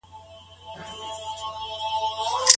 له عدالت څخه مراد څه دی؟